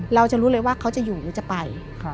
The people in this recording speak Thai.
เราจะรู้เลยว่าเขาจะอยู่หรือจะไป